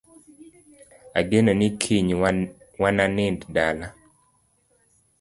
Ageno ni kiny wananind dala